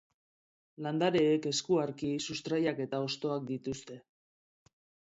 Landareek, eskuarki, sustraiak eta hostoak dituzte.